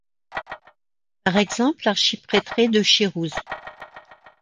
Par exemple, l'archiprêtré de Chirouze.